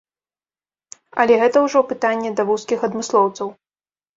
Але гэта ўжо пытанне да вузкіх адмыслоўцаў.